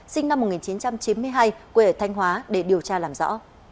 sinh năm một nghìn chín trăm chín mươi hai quê ở thanh hóa để điều tra làm rõ